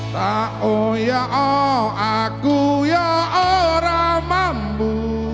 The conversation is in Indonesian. tak oh ya oh aku ya orang mampu